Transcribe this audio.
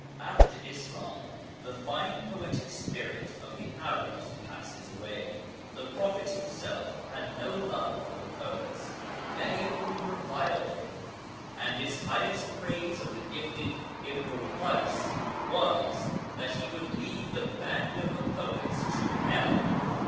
After Islam the fine poetic spirit of the Arabs passes away. The Prophet himself had no love for the poets, many of whom reviled him, and his highest praise of the gifted Imr el Kays was, that he would lead the band of the poets to hell.